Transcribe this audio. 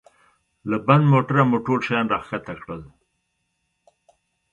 له بند موټره مو ټول شیان را کښته کړل.